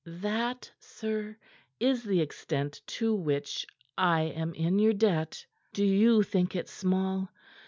"That, sir, is the extent to which. I am in your debt. Do you think it small?